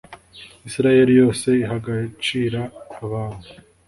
Isirayeli yose iha agacira abantu